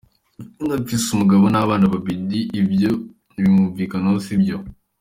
"Ndafise umugabo n'abana babiri, ivyo bimvugwako sivyo.